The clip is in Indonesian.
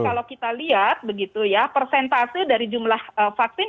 jadi kalau kita lihat begitu ya persentase dari jumlah vaksin